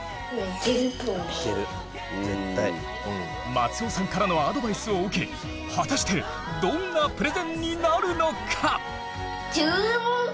松尾さんからのアドバイスを受けはたしてどんなプレゼンになるのか！？